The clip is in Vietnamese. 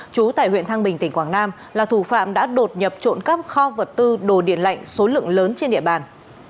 chú tại huyện thăng bình tỉnh quảng nam là thủ phạm đã đột nhập trộm cắp kho vật tư đồ điện lạnh số lượng lớn trên địa bàn